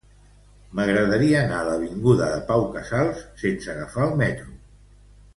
M'agradaria anar a l'avinguda de Pau Casals sense agafar el metro.